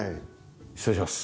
失礼します。